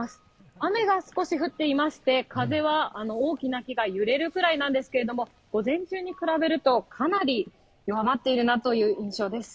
雨が少し降っていまして、風は大きな木が揺れるぐらいなんですけど、午前中に比べるとかなり弱まっているなという印象です。